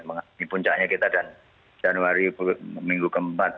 ini puncaknya kita dan januari minggu keempat